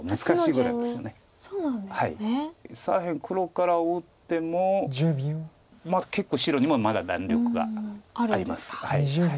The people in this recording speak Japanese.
黒から打っても結構白にもまだ弾力があります。